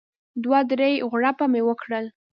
دوه درې غوړپه مې وکړل.